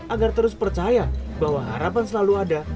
agar terus percaya bahwa harapan selalu ada